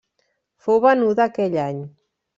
Fou venuda aquell any.